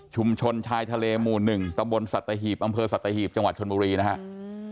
ชนชายทะเลหมู่หนึ่งตำบลสัตหีบอำเภอสัตหีบจังหวัดชนบุรีนะครับ